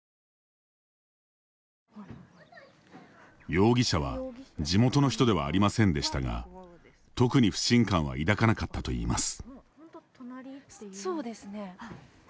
容疑者は、地元の人ではありませんでしたが特に不信感は抱かなかったといいます。